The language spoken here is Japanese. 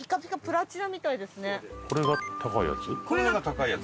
これが高いやつ？